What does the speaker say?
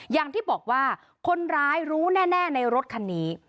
อย่างที่บอกว่าคนร้ายรู้แน่ในรถคันนี้